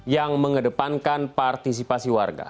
yang mengedepankan partisipasi warga